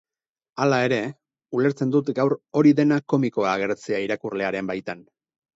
Hala ere, ulertzen dut gaur hori dena komikoa agertzea irakurlearen baitan.